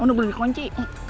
oh udah boleh dikunci